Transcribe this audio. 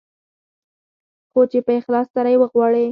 خو چې په اخلاص سره يې وغواړې.